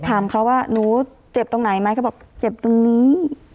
ถามเขาว่าหนูเจ็บตรงไหนไหมเขาบอกเจ็บตรงนี้